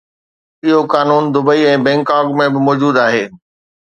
اهو قانون Dubai ۽ Bangkok ۾ به موجود آهي.